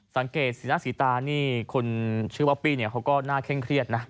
สังเกตสีหน้าสีตานี่คนชื่อบ๊อปปี้เขาก็น่าเคร่งเครียดนะ